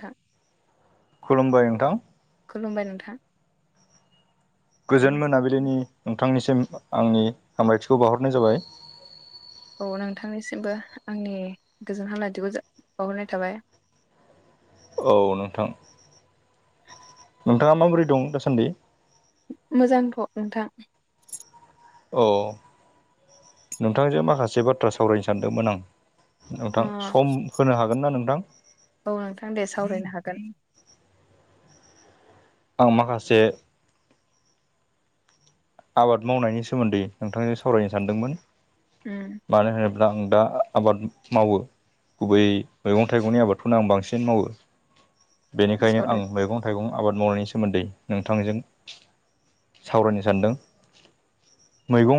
थां खुलुमबाय नोंथां खुलुमबाय नोंथां गोजोन मोनाबिलिनि नोंथांनिसिम आंनि हामलायथिखौ बावहरनाय जाबाय औ नोंथांनिसिमबो आंनि गोजोन हामलायथिखौ जा बावहरनाय थाबाय औ नोंथां [inaudible] नोंथांङा माबोरै दं दासान्दि मोजांथ' नोंथां अ नोंथांजों माखासे बाथ्रा सावरायनो सानदोंमोन आं अ नोंथां सम होनो हागोन ना नोंथां औ नोंथां दे सावरायनो हागोन आं माखासे आबाद मावनायनि सोमोन्दै नोंथांजों सावरायनो सानदोंमोन उ मानो होनोब्ला आं दा आबाद मावो गुबै मैगं-थाइगंनि आबादखौनो आं बांसिन मावो बेनिखायनो आं सावराय मैगं-थाइ थाइगं आबाद मावनायनि सोमोन्दै नोंथांजों सावरायनो सानदों मैगं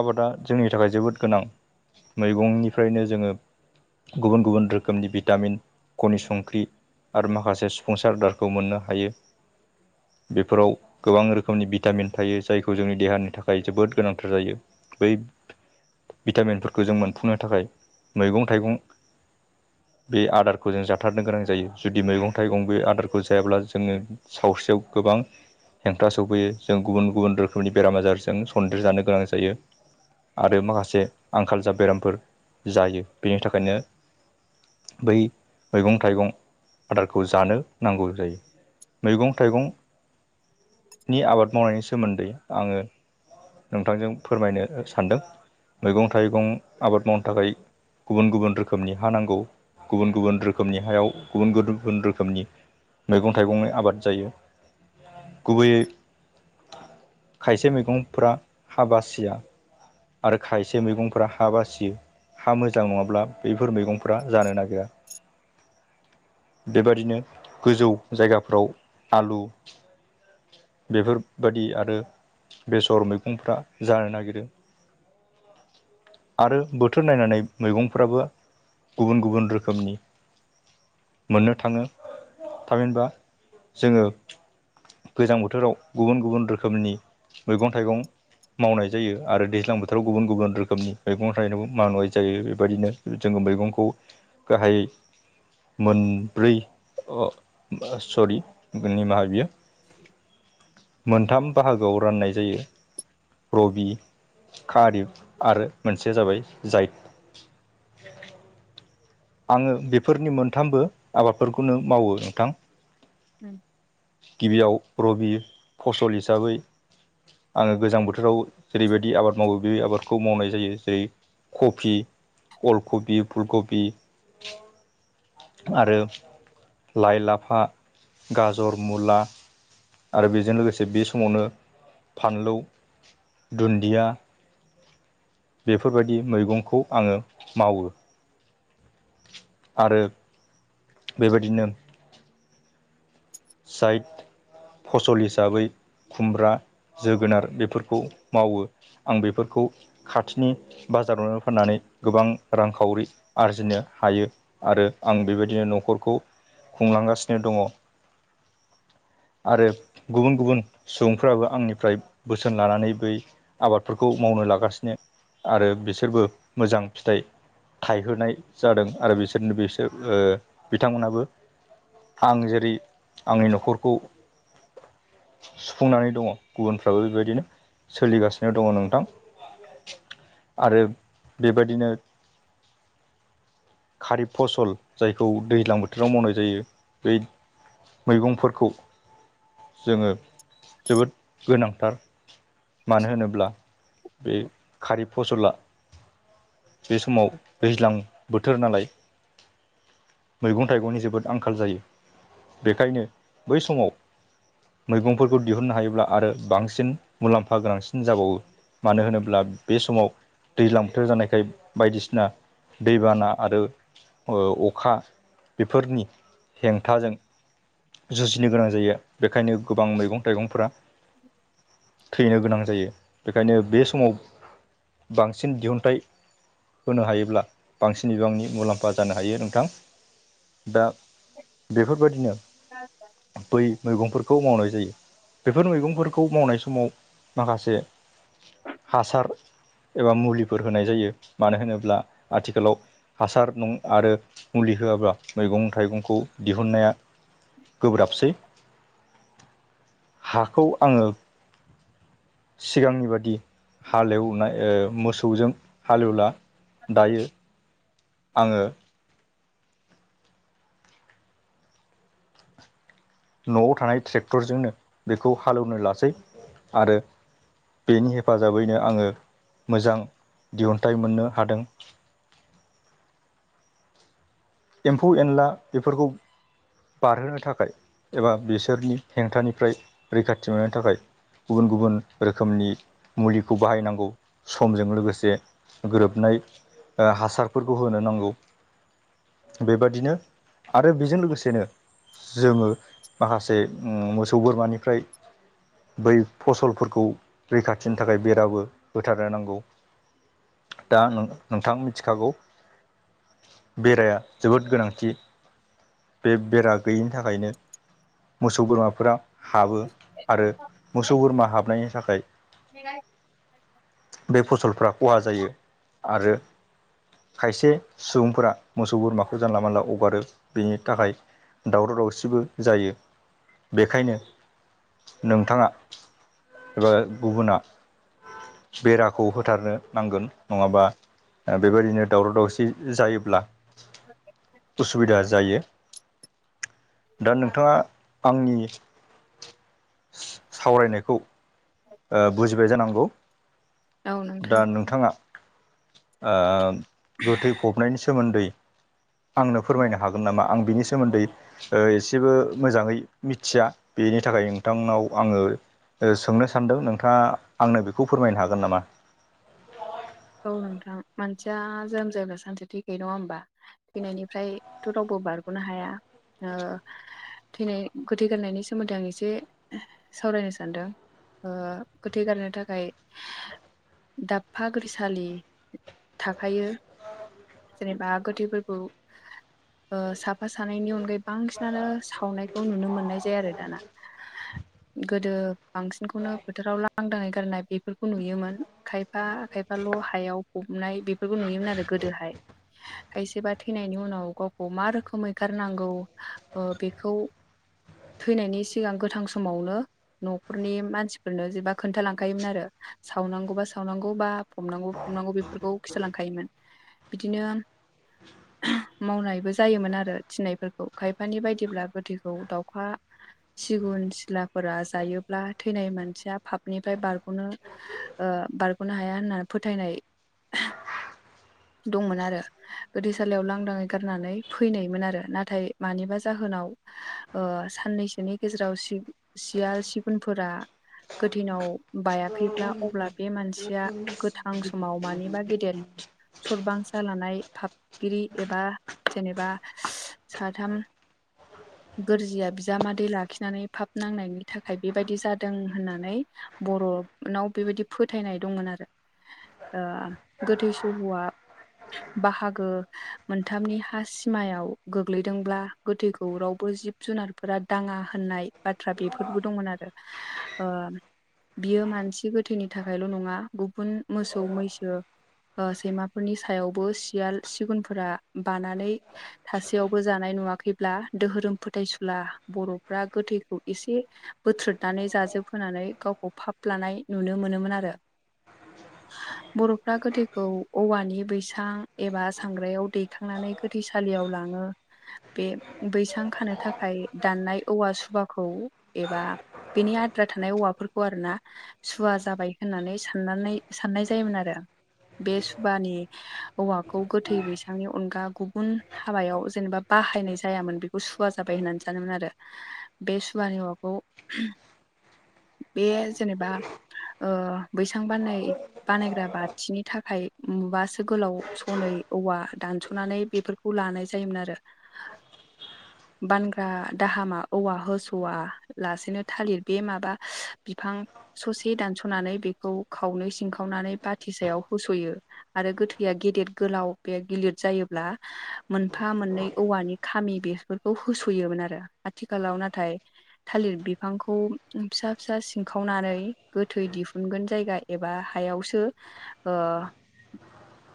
आबादा जोंनि थाखाय जोबोद गोनां मैगंनिफ्रायनो जोङो गुबुन-गुबुन रोखोमनि भिटामिन कनि संख्रि आरो माखासे सुफुंसार आदारखौ मोननो हायो बिफोराव गोबां रोखोमनि भिटामिन थायो जाय खौ जोंनि देहानि थाखाय जोबोद गोनांथार जायो बै भिटामिनफोरखौ जों मोनफुंनो थाखाय मैगं-थाइगं बे आदारखौ जों जाथारनो गोनां जायो जुदि मैगं थाइगं बे आदारखौ जायाब्ला जोङो सावस्रियाव गोबां हेंथा सफैयो जों गुबुन-गुबुन रोख फोरनि बेराम आजारजों सन्देर जानो गोनां जायो। आरो माखासे आंखाल जा बेरामफोर जायो बेनि थाखायनो बै मैगं थाइगं आदारखौ जानो नांगौ जायो। मैगं थाइगं नि आबाद मावनायनि सोमोन्दै आङो नोंथांजों फोरमायनो सानदों मैगं थाइगं आबाद मावनो थाखाय गुबुन गुबुन रोखोमनि हा नांगौ गुबुन गुबुन रोखोमनि हायाव गुबुन गुरबुन रोखोमनि मैगं थाइगंनि आबाद जायो गुबैयै खायसे मैगंफ्रा हा बासिया आरो खायसे मैगंफोरा हा बासियो। हा मोजां नङाब्ला बफोर मैगंफोरा जानो नागिरा। बेबादिनो गोजौ जायगाफ्राव आलु बेफोर बायदि आरो बेसर मैगंफोरा जानो नागिरो। आरो बोथोर नायनानै मैगंफ्राबो गुबुन गुबुन रोखोमनि मोननो थाङो थामहिनबा जोङो गोजां बोथोराव गुबुन रोखोमनि मैगं थाइगं मावनाय जायो आरो दैज्लां बोथोराव गुबुन गुबुन रोखोमनि मैगं थाइगं मावनाय जायो बेबायदिनो जोङो मैगंखौ गाहायै मोनब्रै अ सरि निमाहा बियो। [inaudible] मोनथाम बाहागोआव राननाय जायो। रबि खारिब आरो मोनसेया जाबाय जायेथ आङो बेफोरनि मोनथामबो आबादफोरखौनो मावो नोंथां। [inaudible] गिबियाव रबि फसल हिसाबै आङो गोजां बोथोराव जेरैबायदि आबाद मावो बे आबादखौ मावनाय जायो जेरै खबि अल कबि, फुल कबि आरो लाइ, लाफा, गाजर, मुला आरो बेजों लोगोसे बे समावनो फानलौ, दुन्दिया बेफोरबायदि मैगंखौ आङो मावो। आरो बेबायदिनो [inaudible] साइद फसल हिसाबै खुमब्रा जोगोनार बेफोरखौ मावो आं बेफोरखौ खाथिनि बाजारावनो फाननानै गोबां रांखावरि आरजिनो हायो। आरो आं बेबायदिनो न'खरखौ खुंलांगासिनो दङ। आरो गुबुन सुबुंफ्राबो आंनिफ्राय बोसोन लानानै बै आबादफोरखौ मावनो लागासिनो आरो बिसोरबो मोजां फिथाइ थायहोनाय जादों आरो बिसोरनो बिसोर ओ बिथांमोनाबो आं जेरै आंनि न'खरखौ सुफुंनानै दङ गुबुनफ्राबो बेबायदिनो सोलिगासिनो दङ नोंथां। आरो बेबायदिनो खारिब फसल जायखौ दैज्लां बोथोराव मावनाय जायो बै मैगंफोरखौ जोङो जोबोद गोनांथार मानो होनोब्ला बे खारिब फसला बे समाव दैज्लां बोथोर नालाय मैगं थाइगंनि जोबोद आंखाल जायो बेखायनो बै समाव मैगंफोरखौ दिहुननो हायोब्ला आरो बांसिन मुलाम्फा गोनांसिन जाबावो। मानो होनोब्ला बे समाव दैज्लां बोथोर जानायखाय बायदिसिना दैबाना आरो ओ अखा बेफोरनि हेंथाजों जुजिनो गोनां जायो बेखायनो गोबां मैगं थाइगंफोरा [inaudible] थैनो गोनां जायो बेखायनो बे समाव बांसिन दिहुनथाइ होनो हायोब्ला बांसिन बिबांनि मुलाम्फा जानो हायो नोंथां। दा बेफोरबायदिनो [unintelligible] बै मैगंफोरखौ मावनाय जायो। बेफोर मैगंफोरखौ मावनाय समाव माखासे हासार एबा मुलिफोर होनाय जायो मानो होनोब्ला आथिखालाव हासार नं आरो मुलि होआब्ला मैगं थाइगंखौ दिहुनन्नाया गोब्राबसै। हाखौ आंङो सिगांनि बादि हालेवनाय ओ मोसौजों हालेवला दायो। आंङो न'आव थानाय ट्रेक्टरजोंनो बेखौ हालोवनो लासै आरो बेनि हेफाजाबैनो आंङो मोजां दिहुुनथाइ मोननो हादों। एम्फौ एनला बेफोरखौ बारहोनो थाखाय एबा बिसोरनि हेंथानिफ्राय रैखाथि मोनो थाखाय गुबुन गुबुन रोखोमनि मुलिखौ बाहायनांगौ समजों लोगोसे गोरोबनाय ओ हासारफोरखौ होनो नांगौ। बेबादिनो आरो बेजों लोगोसेनो जोंङो माखासे उम मोसौ बोरमानिफ्राय बै फसलफोरखौ रैखाथिनि थाखाय बेराबो होथारनो नांगौ। दा आंङो नोंथां मिथिखागौ बेराया जोबोद गोनांथि बे बेरा गैयैनि थाखायनो मोसौ बोरमाफोरा हाबो आरो मोसौ बोरमा हाबनायनि थाखाय [unintelligible] बे फसलफ्रा खहा जायो आरो खायसे सुबुंफोरा मोसौ सौ बोरमाखौ जानला मोनला हगारो बेनि थाखाय दावराव दावसिबो जायो। बेखायनो नोंथांङा एबा गुबुना बेराखौ होथारनो नांगोन नंङाबा ओ बेबायदिनो दावराव दावसि जायोब्ला [unintelligible] उसुबिदा जायो दा नोंथांङा आंनि सावरायनायखौ ओ बुजिबाय जानांगौ औ दा नोंथां नोंथांङा ओम गोथै फबनायनि सोमोन्दै आंनो फोरमायनो हागो गोन नामा आं बिनि सोमोन्दै ओ एसेबो मोजांङै मिथिया बेनि थाखाय नोंथांनाव आंंङो ओ सोंनो सानदों नोंथांङा आंनो बेखौ फोरमायनो हागोन नामा? औ नोंथां मानसिया जोनोम जायोब्ला सानसे थैखायो नङा होमबा? थैनायनिफ्रायथ' रावबो बारग'नो हाया ओ थैनाय गोथै गारनायनि सोमोन्दै आं एसे सावरायनो सानदों। ओ गोथै गारनो थाखाय दाबफा गोथैसालि थाखायो जेनेबा गोथैफोरखौ ओ साफा सानैनि अनगायै बांसिनानो सावनायखौ नुनो मोननाय जाया आरो दाना। [inaudible] गोदो बांसिनखौनो फोथोराव लांदाङै गारनाय बेफोरखौ नुयोमोन खायफा खाय फाल' हायाव फबनाय बेफोरखौ नुयोमोन आरो गोदोहाय। खायसेबा थैनायनि उनाव गावखौ मा रोखोमै गारनांगौ ओ बेखौ थैनायनि सिगां गोथां समावनो न'खरनि मानसिफोरनो जेनबा खोन्थालांखायोमोन आरो सावनांगौबा सावनांगौ बा फबनांगौ फबनांगौ बेफोरखौ खिथालांखायोमोन बिदिनो मावनायबो जायोमोन आरो थिनायफोरखौ खायफानि बायदिब्ला गोथैखौ दाउखा सिगुन सिलाफोरा जायोब्ला थैनाय मानसिया पापनिफ्राय बारग'नो ओ बारग'नो हाया होनना फोथायनाय दंमोन आरो गोथै सालियाव लांदाङै गारनानै फैनायमोन आरो नाथाय मानिबा जाहोनाव ओ साननैसोनि गेजेराव सि-सियाल, सिगुनफोरा गोथैनाव बायाखैब्ला अब्ला बे मानसिया गोथां समाव मानिबा गेदेर सरबांसा लानाय फाबगिरि एबा जेनेबा साथाम [inaudible] गोरजिया बिजामादै लाखिनानै फाब नांनायनि थाखाय जादों होननानै बर' नाव बेबायदि फोथायनाय दंमोन आरो। ओ गोथै सहआ बाहागो मोनथामनि हा सिमायाव गोग्लैदोंब्ला गोथैखौ रावबो जिब जुनारफोरा दाङा होननाय बाथ्रा बेफोरबो दंमोन आरो ओ बियो मानसि गोथैनि थाखायल' नङा गु बुन मोसौ मैसो ओ सैमाफोरनि सायावबो सियाल सिगुनफोरा बानानै थासेयावबो जानाय नुवाखैब्ला दोहोरोम फोथायसुला बर'फ्रा गोथैखौ एसे बोथ्रोदनानै जाजोबहोनानै गावखौ फाब लानाय नुनो मोनोमोन आरो। [inaudible] बर'फ्रा गोथोखौ औवानि बैसां एबा सांग्रायाव दैखांनानै गोथै सालियाव लाङो। बे बैसां खानो थाखाय दाननाय औवा सुबाखौ एबा बेनि आद्रा थानाय औवाफोरखौ आरोना सुवा जाबाय होननानै साननानै साननाय जायोमोन आरो बे सुबभानि औवाखौ गोथै बैसांनि अनगा गुबुन हाबायाव जेनेबा बाहायनाय जायामोन बे खौ सुवा जाबाय होननानै सानोमोन आरो बे सुवानि औवाखौ बे जेनेबा ओ बैसां बान्नाय बानायग्रा बाथिनि थाखाय मुबासो गोलाव सनै औवा दानस'नानै बेफोर खौ लानाय जायोमोन आरो [inaudible] बानग्रा दाहामा औवा होस'वा लासेनो थालिर बे माबा बिफां ससे दानस'नानै बेखौ खावनै सिंखावनानै बाथि सायाव होस'यो। आरो गोथैया गेदेर गोलाव बे गिलिर जायोब्ला मोनफा मोननै औवानि खामि बेफोरखौ होस'योमोन आरो आथिखालाव नाथाय थालिर बिफांखौ फिसा फिसा सिनखावनानै गोथै दिहुनगोन जायगा एबा हायावसो ओ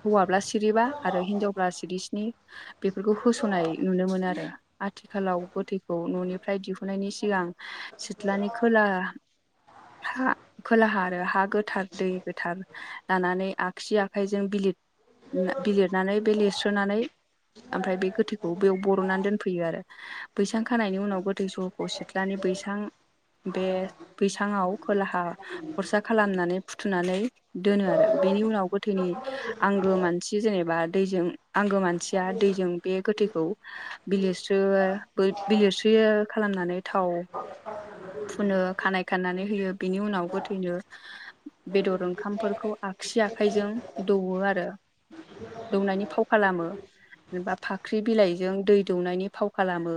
हौवाब्ला सिरिबा आरो हिनजावब्ला सिरि स्नि बेफोरखौ होस'नाय नुनो मोनो आरो। आथिखालाव गोथैखौ न'निफ्राय दिहुननायनि सिगां सिथ्लानि खोला हा खोलाहा आरो हा गोथार दै गोथार लानानै आगसि आखाइजों बिलिर ना बिलिरनानै बे लिरस्रोनानै ओमफ्राय बे गोथैखौ बेयाव बर'नानै दोनफैयो आरो। बैसां खानायनि उनाव गोदै सहखौ सिथ्लनानै बैसां बे बैसाङाव खोलाहा खरसा खालामनानै सुनानै दोनो आरो बेनि उनाव गोथैनि आंगो मानसि बि जेनेबा दैजों आंगो मानसिया दैजों बे गोथैखौ बिलिरस्रो बिलिरस्रियो खालामनानै थाव फुनो खानायाइ खानानै होयो बिनि उनाव गोथैनो बेदर ओंखामफोरखौ आगसि आखाइजों दौवो आरो। दौनायनि फाव खालामो। जेनेबा फाख्रि बिलाइजों दै दौनायनि फाव खालामो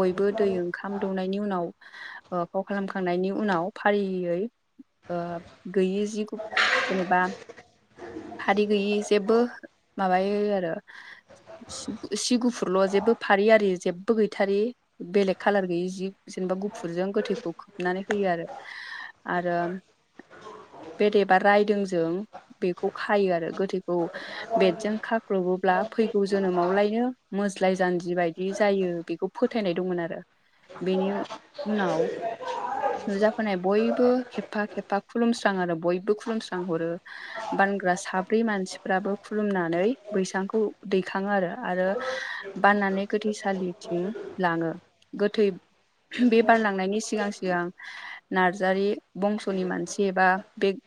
बयबो दै ओंखाम दौनायनि उनाव ओ फाव खालामखांनायनि उनाव फारियै ओ गैयि जि गु जेनेबा फारि गैयि जेबो माबायो आरो। सि गुफुरल' जेबो फारि आरि जेबबो गैथारै बेलेग कालार गैयि जि जेनेबा गुफुरजों गोथै खौ खोबनानै होयो आरो। आरो बेट एबा रायदों जों बेखौ खायो आरो गोथैखौ बेटजों खा ख्लबोब्ला फैगौ जोनोमावलायनो मोज्लाय जान्जि बायदि जायो बेखौ फोथायनाय दंमोन आरो। बेनि उनाव नुजाफोनाय बयबो खेबफा खेबफा खुलुमस्रां आरो बयबो खुलुमस्रां हरो। बानग्रा साब्रै मानसिफोराबो खुलुमनानै बैसांखौ दैखाङो आरो बाननानै गोथैसालिथिं लाङो गोथै बे बानलांनायनि सिगां सिगां नार्जारि बंस'नि मानसि एबा बेग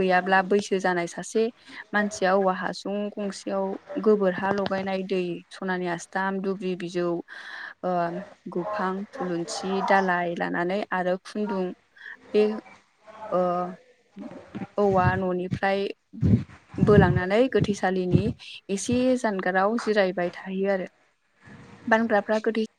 गैयाब्ला बैसो जानाय सासे मानसिया औवा हासुं गंसेयाव गोबोर हा लगायनाय दै सनानि आस थाम दुब्रि बिजौ ओ गुफां थुलुंसि दालाय लानानै आरो खुन्दुं बे ओ औवा न'निफ्राय बोलांनानै गोथै सालिनि एसे जानगाराव जिरायबाय थायो आरो बानग्राफ्रा गोथै